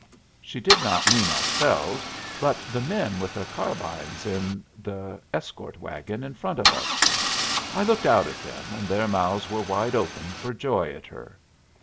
She did not mean ourselves, but the men with their carbines in the escort wagon in front of us. I looked out at them, and their mouths were wide open for joy at her.